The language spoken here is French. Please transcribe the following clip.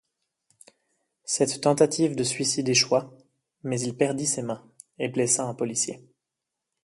Cette tentative de suicide échoua mais il perdit ses mains et blessa un policier.